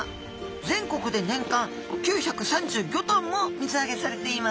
全国で年間９３５ｔも水揚げされています。